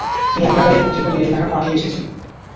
তিনি এক নাগাড়ে এই পত্রিকায় নিজের লেখা পাঠিয়ে এসেছিলেন।